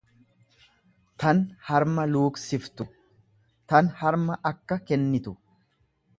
tan harma luugsiftu, tan harma akka kennitu.